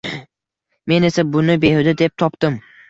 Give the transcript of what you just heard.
Men esa buni behuda deb topdim: